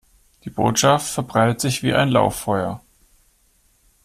Die Botschaft verbreitet sich wie ein Lauffeuer.